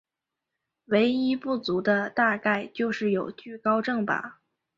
唯一不足的大概就是有惧高症吧。